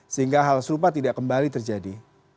sehingga hal serupa tidak kembali terjadi